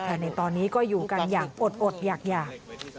แต่ในตอนนี้ก็อยู่กันอย่างอดอยาก